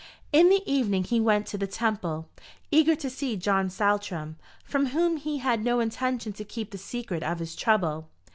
In the evening he went to the Temple, eager to see John Saltram, from whom he had no intention to keep the secret of his trouble.